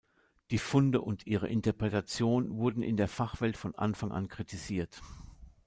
Die Funde und ihre Interpretation wurden in der Fachwelt von Anfang an kritisiert.